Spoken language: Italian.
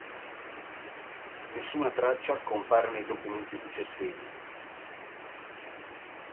Nessuna traccia compare nei documenti successivi.